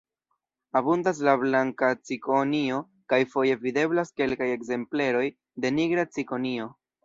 Abundas la blanka cikonio kaj foje videblas kelkaj ekzempleroj de nigra cikonio.